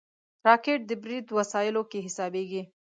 راکټ د برید وسایلو کې حسابېږي